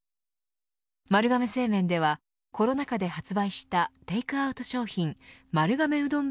丸亀製麺ではコロナ禍で発売したテイクアウト商品丸亀うどん